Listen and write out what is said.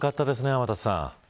天達さん。